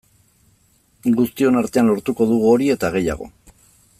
Guztion artean lortuko dugu hori eta gehiago.